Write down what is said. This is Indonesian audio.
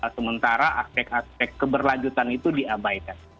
sementara aspek aspek keberlanjutan itu diabaikan